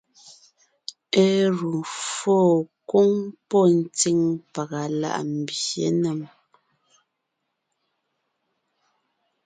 Éru fô kwóŋ pɔ́ ntsíŋ pàga láʼ mbyě nèm;